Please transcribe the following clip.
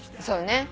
そうね。